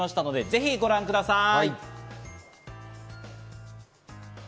ぜひご覧ください。